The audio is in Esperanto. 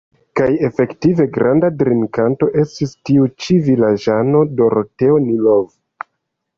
Kaj efektive, granda drinkanto estis tiu ĉi vilaĝano, Doroteo Nilov.